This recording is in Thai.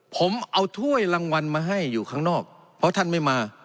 ผมเอาถ้วยรางวัลมาให้อยู่ข้างนอกเพราะท่านไม่มา